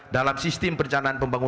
dalam sistem perencanaan pembangunan